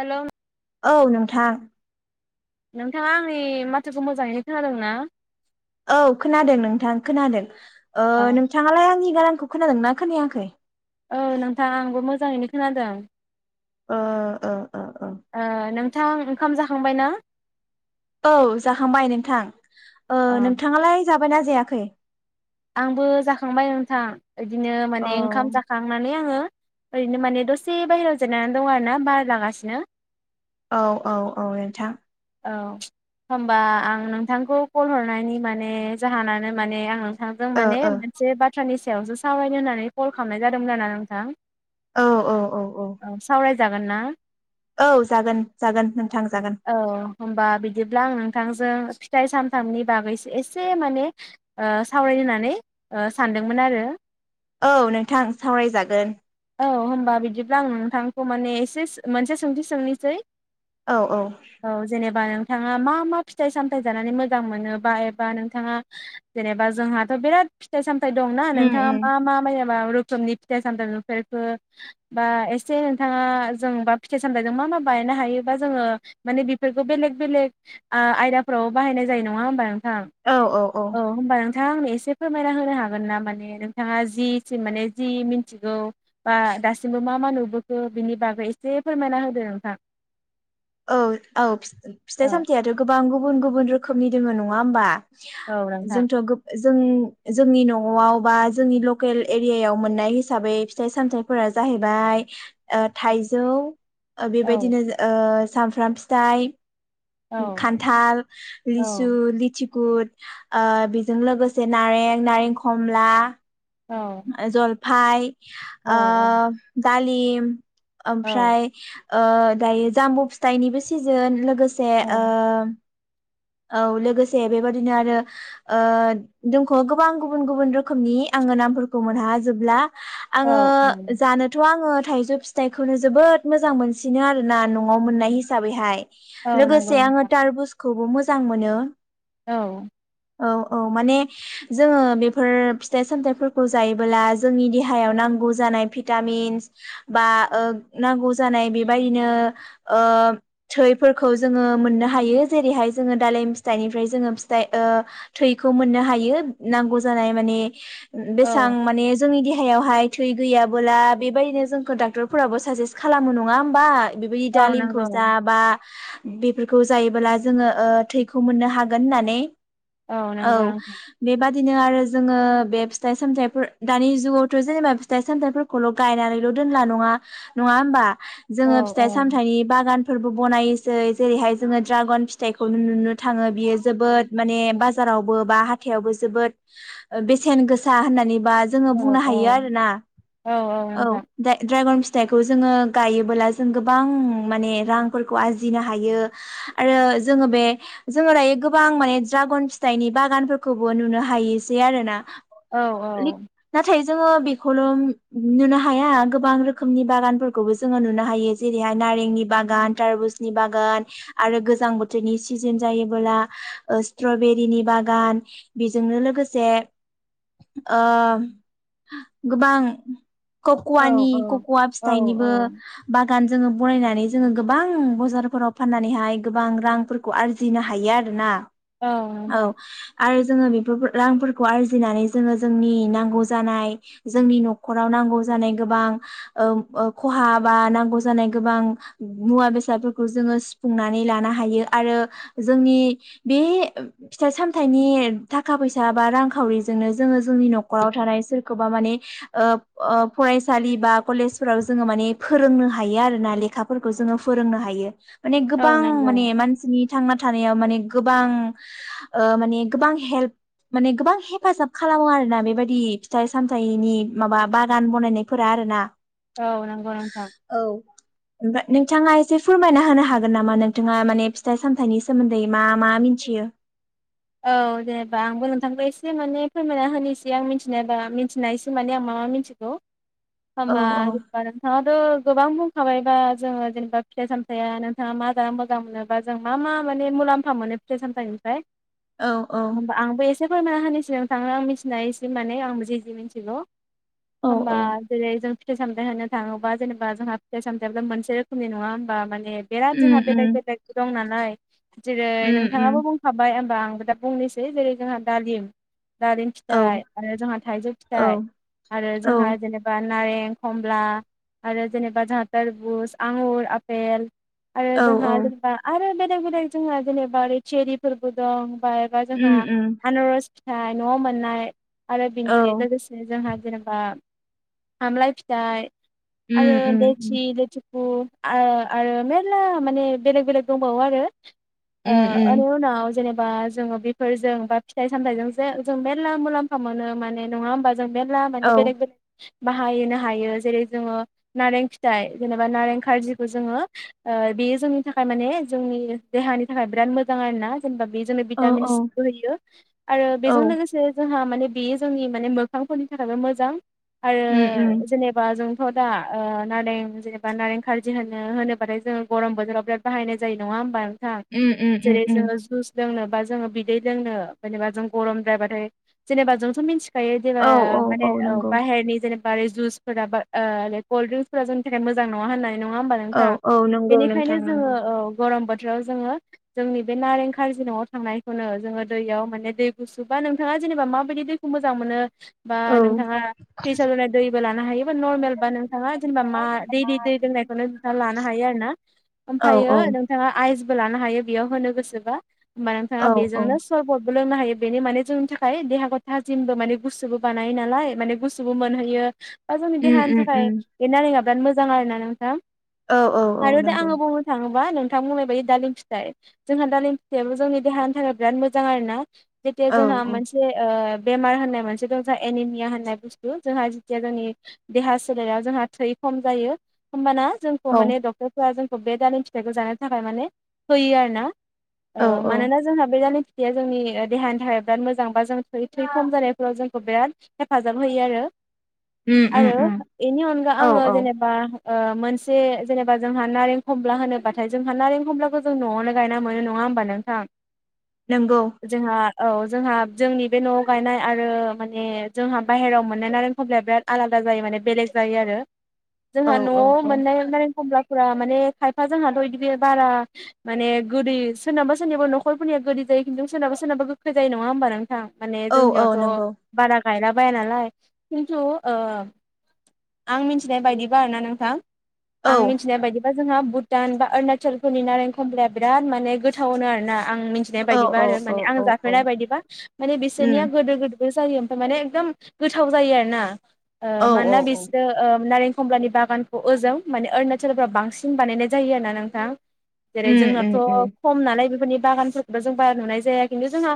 हेल'। औ नोंथां। नोंथाङा आंनि माथोखौ मोजाङैनो खोनादों ना? औ खोनादों नोंथां खोनादों ओ औ नोंथाङालाय आंनि गारांखौ खोनादोंना खोनायाखै? औ नोंथां आंबो मोजाङैनो खोनादों। ओ ओ ओ ओ। नोंथां ओंखाम जाखांबाय ना? औ जाखांबाय नोंथां ओ अ नोंथाङालाय जाबायना जायाखै? आंबो जाखांबाय नोंथां बिदिनो औ माने ओंखाम जाखांनानै आङो ओरैनो माने दसे बाहेरायाव जेननानै दं आरोना बार लागासिनो। औ औ औ नोंथां। औ होनबा आं नोंथांखौ कल हरनायनि माने जाहोनानो माने आं नोंथांजों ओ माने ओ मोनसे बाथ्रानि सायावसो सावरायनो होननानै कल खालामनाय जादोंमोन आरोना नोंथां। औ औ औ औ सावरायजागोन ना? औ जागोन जागोन नोंथां जागोन। होनबा बिदिब्ला नोंथांजों फिथाइ सामथामनि बागै एसे माने ओ सावराय नो होननानै ओ सानदोंमोन आरो। औ नोंथां सावरायजागोन। औ होनबा बिदिब्ला आं नोंथांखौ माने एसे मोनसे सोंथि सोंनोसै औ जेनेबा नों नोंथाङा मा मा फिथाइ सामथाइ जानानै मोजां मोनो बा एबा नोंथाङा जेनेबा जोंहाथ' बिराद फिथाइ सामथाय दं ना उम नोंथाङा उम मा मा मा रोखोमनि फिथाइ सामथाइ नुफेर खो बा एसे नोंथाङा जों बा फिथाइ सामथाइजों मा मा बानायनो हायोबा जोङो माने बेफोरखौ बेलेग बेलेग आ-आयदाफ्राव बाहायनाय जायो नङा होमबा नोंथां औ होमबा नोंथाङा आंनो एसे फोरमायना होनो हागोन ना माने नोंथाङा जिसिम माने जि मिथिगौ बा दासिमबो मा मा नुबोखो बिनि बागै एसे फोरमायना होदो नोंथां। औ औ फिथाइ औ सामथायाइआथ' गोबां गुबुन गुबुन रोखोमनि दङ नङा होमबा? औ नोंथां जोंथ' जों जोंनि न'आव बा जोंनि लकेल एरियायाव मोननाय हिसाबै फिथाइ सामथाइफोरा जाहै जाहैबाय ओ थाइजौ औ बेबायदिनो ओ सामफ्राम फिथाइ औ खान्थाल औ लिसु लिथि गुद बेजों लोगोसे नारें नारें खमला औ। ओमफाय औ ओ दालिम ओमफ्राय औ ओ दायो जामबु फिथाइनिबो सिजोन लोगोसे ओ औ लोगोसे बेबादिनो आरो ओ दोंखोआ गोबां गुबुन गुबुन रोखोमनि आ आङो नामफोरखौ मोनहा जोबब्ला आङो औ औ जानोथ' आङो थाइजौ फिथाइखौनो जोबोद मोजां मोनसिनो आरोना न'आव मोननाय हिसाबैहाय। औ नंगौ लोगोसे आङो नोंथां तारबुजखौबो मोजां मोनो। औ। औ औ माने जोङो बेफोर फिथाइ सामथाइफोरखौ जायोब्ला जोंनि देहायाव नांगौ जानाय भिटामिन्स बा ओ नांगौ जानाय बेबायदिनो ओ थैफोरखौ जोङो मोननो हायो जेरैहाय जोङो दालिम फिथाइनिफ्राय जोङो फिथाइ ओ थैखौ मोननो हायो नांगौ जानाय माने औ बेसेबां माने जोंनि देहा देहायावहाय थै गैयाबोला बेबायदिनो जोंखौ डाक्टरफोराबो साजेस खालामो नङा होमबा? बेबायदि औ दालिमखौ नंगौ जा बा बेफोरखौ जायोबोला जोङो ओ थैखौ मोननो हागोन होननानै औ नंगौ नोंथां बेबा बिदिनो आरो जोङो बे फिथाइ सामथाइफोर दानि जुगावथ' जेनेबा फिथाइ सामथाइफोरखौल' गायनानैल' दोनला नङा नङा होमबा? औ जोङो फिथाइ सामथाइनि बागानफोरबो बनायोसै जेरैहाय जोङो ड्रागन फि फिथाइखौनो नुनो थाङो बियो जोबोद माने बाजारावबो बा हाथायावबो जोबोद ओ बे बेसेन गोसा होननानैबा जोङो औ बुंनो हायो आरोना, औ द्रा-द्रागन फि फिथाइखौ जोङो गायोबोला जों गोबां माने रांफोरखौ आरजिनो हायो आरो जोङो बे जोङो दायो गोबां माने द्रागन फिथाइनि बागानफोरखौबो नुनो हायोसै आरोना। औ औ। नाथाय जोङो बेखौल' नुनो हाया गोबां रोखोमनि बागानफोरखौबो जोङो नुनो हायो जेरैहाय ना नारेंनि बागान तारमुसनि बागान आरो गोजां बोथोर थोरनि सिजेन जायोबोब्ला स्ट्रबेरिनि बागान बेजोंनो लोगोसे ओ गोबां कक'वानि औ कक'वा औ फिथाइनिबो बा गान जोङो बानायनानै जोङो गोबां बाजारफोराव फाननानैहाय गोबां रां फोरखौ आरजिनो हायो आरोना, औ आरो जोङो बे रांफोरखौ आरजिनानै जोङो जोंनि नांगौ जानाय जोंनि न'खराव नांगौ जानाय गोबां औ औ खहा बा नांगौ जानाय गोबां मुवा बेसादफोरखौ जों ओ सुफुंनानै लानो हायो। आरो जोंनि बे फिथाइ सामथाइनि थाखा फैसा बा रांखावरिजों नो जोङो जोंनि न'खराव थानाय सोरखौबा माने ओ ओ फरायसालि बा केलेजफोराव जो जोङो माने फोरोंनो हायो आरोना लेखाफोरखौ जोङो फोरोंनो हायो माने औ गोबां नंगौ माने मानसि नि थांना थानायाव माने गोबां माने ओ गोबां हेल्प माने गोबां हेफाजाब खालामो आरोना बेबायदि फिथाइ सामथायाइनि माबा बागान बनायनायफोरा आरोना। औ नंगौ नोंथां। ओमफ्राय नोंथाङा एसे फोरमायना होनो हागोन नामा नोंथाङा माने फिथाइ सामथाइनि सोमोन्दै मा मा मिथियो? औ जेनेबा आंबो नोंथांखौ एसे माने फोरमायना होनोसै आं मिथिनायबा मिथिनासो माने आं मा मा मिथिगौ औ होमबा रुफा नोंथां [unintelligible] गोबां बुंखाबायबा जोङो जेनेबा फिथाइ सामथाइया, नोंथाङा मा जानो मोजां मोनो बा जों मा मा माने मुलाम्फा मोनो फिथाय सामथायनिफ्राय औ औ। एसे फोरमायना होनोसै नोंथांनो आं मिथिनाय एसे माने आंबो जे जे मिथिगौ। औ होमबा औ जेरै जों फि फिथाइ सामथाइ होननो थाङोबा जेनेबा जोंहा फिथाइ सामथाइया मोनसे रोखोमनि नङा होमबा माने ए बिराद उम जोंहा उम बेलेग बेलेग दं नालाय जेरै उम उम नोंथाङाबो बुंखाबाय दा आंबो दा बुंनोसै जेरै जोंहा दालिम दालिम औ फिथाइ आरो जोंहा थाइजौ औ फिथाइ आरो औ जोंहा जेनेबा नारें खमला आरो जेनेबा जोंहा थारबुस आंगुर आफेल आरो औ जोंहा औ जेनेबा आरो बेलेग बेलेग जोंहा जेनेबा ओरै थेरिफोरबो दं। बा एबा जोंहा उम उम आनारस फिथाइ न'आव मोननाय आरो औ बिनि लोगोसे जोंहा जेनेबा आमलाय फिथाइ उम आरो उम लोथि-लोथि खु आरो मेरला माने बेलेग बेलेग दंबावो आरो। ओ उम उम एनि उनाव जेनेबा जोङो बेफोरजों बा फिथाइ सामथाइजों जो जों मेरला मुलाम्फा मोनो माने नङा होमबा जों मेरला माने औ बेलेग बेले बाहायनो हायो जेरै जोङो नारें फिथाइ जेनेबा नारें खार्जिखौ जोङो ओ बेयो जोंनि थाखाय माने जोंनि देहानि थाखाय बिराद मोजां आरो ना। जेनेबा जोंनो औ भिटामिन औ सिबो होयो आरो औ बेजों लोगोसे जोंहा माने बेयो जोंनि माने मोखांफोरनि थाखायबो मोजां उम उम आरो जेनेबा जों जोंथ दा नारें जेनेबा नारें खार्जि होनो होनोबाथाय जोंङो गरम बोथोराव बिराद बाहायनाय जायो नङा होमबा नोंथां। हा उम उम उम जेरै उम जोंहा जुस लोंनोबा जे बिदै लोंनो जेनेबा जों गम द्रायबाथाय जेनेबा जोंथ मिथिखागौ। खायोदि जेन औ औ माने औ नंगौ बायहेरनि जेन बारै जुसफोरा कल्ड्रिंक्सफोरा जोंनि थाखाय मोजां नङा होननाय नंङा होनबा औ नोंथां औ नंगौ बिनिखायनो नोंथां जोंङो नंगौ ओ गरम बोथोराव जोंङो जोंनि बे नारेंखौ खारजि नआव थांनायखौनो जोंङो दैयाव माने दै गुसु बा नोंथांङा जेनेबा माबायदि दैखौ मोजां मोनो। बा औ नोंथांङा फ्रिसाव दोननाय दैबो लानो हायोबा नर्मेल बा नोंथांङा जेनेबा मा दै दै दैजों मोजां मोनो नोंथांआ लानो हायो आरोना औ ओमफायो औ नोंथांआ आइस आइसबो लानो हायो बेयाव होनो गोसोबा होमबा नोंथांआ औ औ बेजोंनो सरबद लोंनो हायो बेनो माने जोंनि थाखाय देहाखौ थाजिमबो माने गुसुबो बानायो नालाय माने गुसुबो मोनहोयो। बा जोंनि उम देहानि उम थाखाय उम बे नारेंआ बिराद मोजां आरो ना नोंथां। औ औ औ आरो दा नंगौ आंङो बुंनो थांङोबा नोंथां। नोंथां बुंनाय बायदि दालिम फिथाइ जोंहा दालिम फिथायाबो जोंनि देहानि थाखाय बिराद मोजां आरो ना। जेथिया औ जोंहा मोनसे ओ बेमार होननाय मोनसे दं जोंहा एनिमिया होननाय बुस्थु जोंहा जेथिया जोंनि देहा सोलेराव जोंहा थै खम जायो होमबाना जोंखौ औ माने डक्टरफोरा जोंखौ बे दालिम फिथाइखौ जानो थाखाय माने होयो आरोना। औ औ मानोना जोंहा बे दालिम। फिथाया जोंनि देहानि थाखाय बिराद मोजां बा थै -थै खम जानायफोराव जोंखौ बिराद हेफाजाब होयो आरो। उम उम आरो उम बेनि अनगा औ आंङो औ जेनेबा ओ मोनसे जेनेबा जोंहा नारें खमला होनोबाथाय जोंहा नारें खमलाखौ जों नआवनो गायना मोनो नङा होमबा। होमबा नोंथां नंगौ जोंहा औ जोंहा जोंनि बे नआव गायनाय आरो माने जोंहा बायहेरायाव मोननाय नारें खमब्लाया बिराद आलादा जायो आरो माने बेलेग जायो औ जोंहा औ नआव औ मोननाय नारें कमब्ला फुरा माने खायफा जोंहाथ बिदि बारा माने गोदै। सोरनाबा सोरनाबा नखरफोरनिया गोदै जायो खिन्थु सोरनाबा सोरनाबा गोखै जायो नङा होमबा नोंथां। नोंथां माने औ औ जोंनियावथ नंगौ बारा। गायला बाया नालाय खिन्थु ओ आं मिथिनाय बायदिबा आरोना नोंथां। औ आं मिथिनाय बायदिबा जोंहा भुटान बा अरुणाचलफोरनि नारें खमलाया बिराद माने गोदै। गोथावनो आरो ना आं मिथिनाय औ बायदिबा औ आरो औ माने आं औ जाफेरनाय बायदिबा माने बिसोरनिया उम गोदै गोदै। जायो ओमफाय माने गोथाव जायो आरो ना ओ औ औ मानोना बिसोर ओ नारें कमलानि बागानखौ ओजों माने अरुणाचलफ्राव बांसिन बानायनाय जायो आरोना नोंथां। उम उम उम। जायो नालाय बेफोरनि बागानफोरखौबो जों बारा नुनाय जाया खिन्थु जोंहा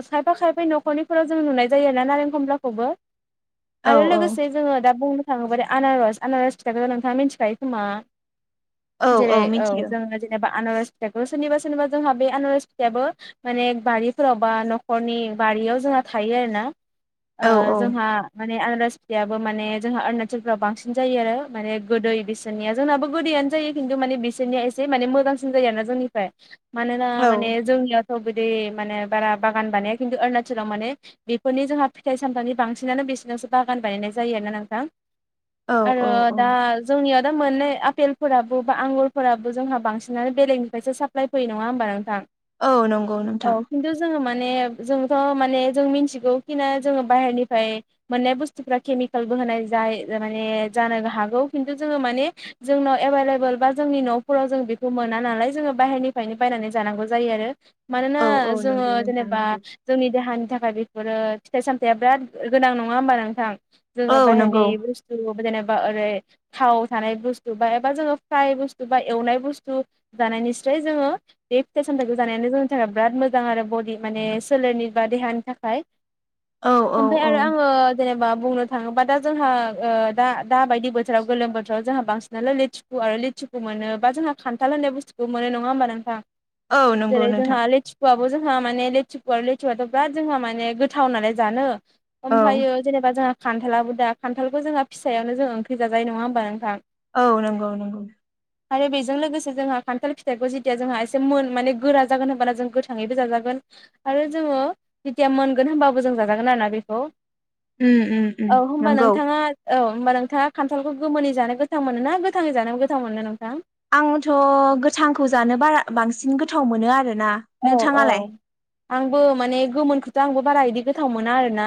खायफा खायफा नखरनिफोराव जों नुनाय जायो आरो ना। नारें कमब्लाखौबो औ आरो लोगोसे जोंङो दा बुंनो बुंनो थांङो बाथाय आनारस आनारस फिथाखौ नोंथाङा मिनथिखायो खोमा औ जेरै औ मिथियो जोंङो जेनेबा आनारस फिथायखौ सोरनिबा सोरनिबा जोंहा बे आनारस फिथायाबो माने बारिफोराव बा नखरनि बारियाव जोंहा थायो। थायो आरो ना औ ओ जोंहा। माने आनारस फिथायाबो माने जोंहा अरुणाचलफ्राव बांसिन जायो आरो माने गोदै बिसोरनिया जोंनाबो गोदैयानो। जायो खिन्थु माने बिसोरनिया एसे माने मोजांसिन जायो आरो ना जोंनिफ्राय मानोना औ माने जोंनियाव। थ बिदि माने बारा बागान बानाया खिन्थु अरुणाचलाव माने बेफोरनि जोंहा फिथाइ सामथाइनि बांसिनानो। बिसिनावसो बागान बानायनाय जायो आरोना नोंथां औ औ आरो औ दा जोंनियाव। मोननाय आपेलफोराबो बा आंगुरफोराबो जोंहा बांसिनानो बेलेगनिफ्रायसो साफ्लाय। साप्लइ फैयो नङा होमबा नोंथां औ नंगौ नोंथां औ खिन्थु जोंङो माने। जोंथ माने जों मिथिगौ खि ना जोंङो बायहेरनिफ्राय मोननाय बुस्थुफ्रा केमिकेलबो होनाय जायो। जानो हागौ खिन्थु जोंङो माने जोंनाव एबोल एबोल बा जोंनि नफोराव जों मोना नालाय जोङो बाहेरनिफ्रायनो बायनानै जानांगौ जायो आरो मानोना औ औ जोङो नंगौ नोंथां जेनेबा नंगौ जोंनि देहानि थाखाय ओमफ्राय बेफोरो फिथाइ सामथायाइा बिराद गोनां नङा होमबा नोंथां? जोंङो औ बाहेरनि नंगौ बस्थु जेने ओरै थाव थानाय बुस्थु एबा जों फ्राय बुस्थु बा एवनाय बुुस्थु जानायनि फ्राय जोङो बे फिथाइ सामथाइखौ जानायानो जोंनि थाखाय बिराद मोजां आरो बडि माने सोलेरनि बा देहानि थाखाय औ औ ओम ओमफ्राय औ आरो आङो जेनेबा बुंनो थाङोबा दा जोंहा ओ दा दा बायदि बोथोराव गोलोम बोथोराव जोंहा बांसिनानो लिथु आरो लेसु खो मोनो खान्थाल होन्नाय बुस्थुखौबो मोनो नङा होमबा नोंथां औ नंगौ जेरै नोंथां जोंहा लिथसु आ जोंहा माने लेथुव आरो लेथुआथ' बिराद जोंहा माने गोथाव नालाय जानो औ ओमफ्राययो जेनेबा जोंहा खान्थालआबो दा खान्थालखौ जोंहा फिसायावनो जों ओंख्रि जाजानाय नङा होनोमबा नोंथां? औ नंगौ नंगौ। आरो बेजों लोगोसे जोंहा खान्थाल फिथाइखौ जेथिया जोंहा एसे मोन माने गोरा जागोन होनबाना जों गोथाङैबो जाजागोन आरो जोङो जेथिया मोनगोन होमबाबो जों जाजागोन आरोना बेखौ। उम उम उम औ होनबा नंगौ नोंथाङा औ होमबा नोंथाङा खान्थालखौ गोमोनोनि जानो गोथां मोनो ना गोथाङै जानो गोथां मोना नोंथां? आंथ' गोथांखौ जानो बारा बांसिन गोथाव मोनो आरो ना औ औ नोंथाङालाय? आंबो माने गोमोनखौथ' आंबो बारा इदि गोथाव मोना आरोना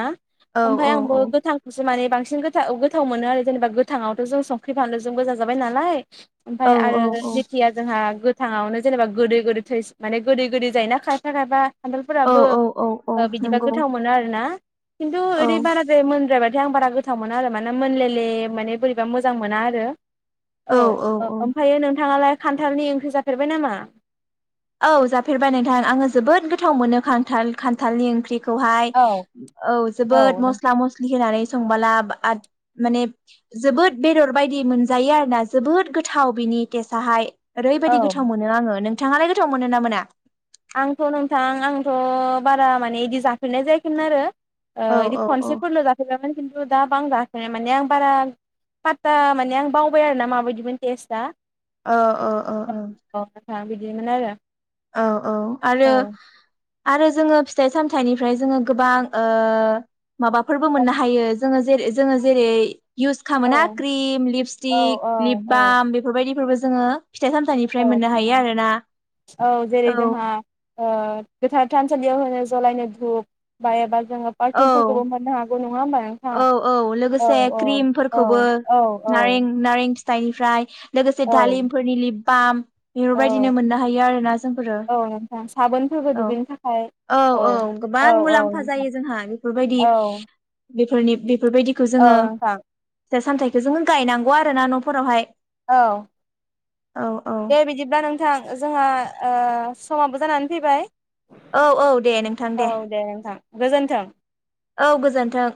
औ ओमफ्राय औ आंबो औ गोथांखौसो माने बांसिन बांसिन गो गोथाव मोनो आरो जेनेबा गोथाङावथ' जों संख्रि फानलुजों गोजा जाबाय नालाय औ ओमफ्राय आरो औ जेखिया जोंहा गोथाङावनो जेनेबा गोदै गोदै थै माने गोदै गोदै जायोना खायफा खायफा हान्थालफोराबो औ औ औ बिदिबा नंगौ गोथाव मोनो आरोना खिन्थु औ इदि बाराद्राय मोनद्रायबा ओमफ्राय आं बारा गोथाव मोना आरो माना मोनलेले माने बोरैबा मोजां मोना आरो औ ओमफ्रायो नोंथाङालाय खान्थालनि ओंख्रि जाफेरबाय नामा? औ जाफेरबाय नोंथां आङो जोबोद गोथाव मोनो खान्थाल खान्थालनि ओंख्रि। औ हाय औ औ जोबोद औ नों मस्ला-मस्लि होनानै संबोला माने जोबोद बेदर बायदि मोनजायो आरोना जोबोद गोथाव। नि टेसहाय ओरैबायदि औ गोथाव मोनो आङो नोंथाङालाय गोथाव मोनो ना मोना? आंथ' नोंथां आंथ' बारा माने बिदि जाफेरनाय जायाखैमोन आरो ओ औ बिदि औ औ खनसेफोरनो जाफैबायमोन खिन्थु दा बां माने आं बारा पात्ता माने आं बावबाय आरोना माबायदिमोन टेस्टआ औ अ अ औ बिदिमोन आरो औ औ आरो आरो जोङो फिथाइ सामथाइनिफ्राय जोङो ओ गोबां माबाफोरबो औ मोननो हायो जोङो जोङो जेरै इउस खालामो औ ना क्रिम औ लिपस्टिक लिप औ बाम बेफोरबायदिफोरबो। जोङो फिथाइ औ सामथाइनिफ्राय मोननो हायो आरोना औ जेरै औ जोंहा ओ गोथार थानसालियाव होनो जलायनो धुप बा एबा जोङो औ पारसेन्टफोरखौबो मोननो हागौ। नङा होमबा नोंथां औ औ औ लोगोसे औ औ क्रिमफोरखौबो औ नारें नारें फिथाइनिफ्राय लोगोसे औ दालिमफोरनि लिपबाम औ बेफोरबायदिनो मोननो हायो आरोना जोंफोरो औ नोंथां साबोनफोरबो औ। दुगैनो थाखाय औ औ गोबां औ औ मुलाम्फा नोंथां जायो जोंहा बेफोरबायदि। औ बेफोरनि बेफोरबायदिखौ औ जोङो नोंथां फिथाय सामथाइखौ जोङो गायनांगौ आरो ना न'फोरावहाय। औ औ औ दे बिदिब्ला नों बिथां जोंहा ओ-समाबो जानानै फैबाय। औ औ दे नोंथां औ दे नोंथां गोजोन्थों औ गोजोन्थों